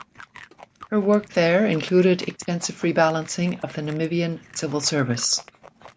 Her work there included extensive rebalancing of the Namibian civil service.